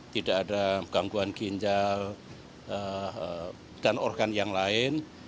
tidak ada gangguan ginjal dan organ yang lain